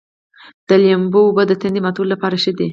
د لیمو اوبه د تندې ماتولو لپاره ښې دي.